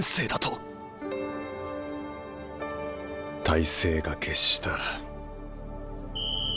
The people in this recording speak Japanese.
大勢が決した。